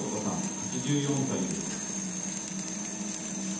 ８４歳です。